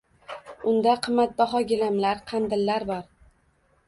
Unda qimmatbaho gilamlar, qandillar bor.